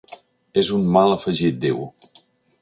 És un mal afegit, diu.